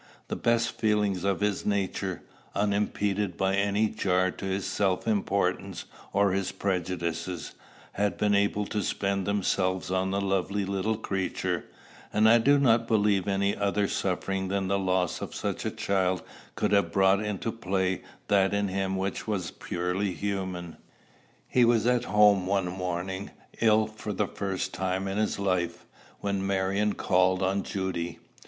The best feelings of his nature, unimpeded by any jar to his self importance or his prejudices, had been able to spend themselves on the lovely little creature; and I do not believe any other suffering than the loss of such a child could have brought into play that in him which was purely human. He was at home one morning, ill for the first time in his life, when Marion called on Judy.